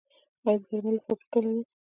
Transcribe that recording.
آیا د درملو فابریکې لرو؟